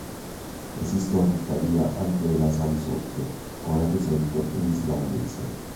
Esistono tuttavia anche le nasali sorde, come ad esempio in islandese.